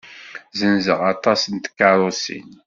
Zenzeɣ aṭas n tkeṛṛusin.